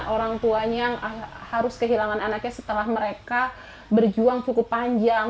orang tuanya harus kehilangan anaknya setelah mereka berjuang cukup panjang